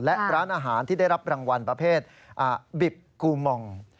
และร้านอาหารที่ได้รับรางวัลประเภทบิบกูมอง